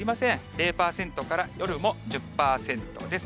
０％から夜も１０％です。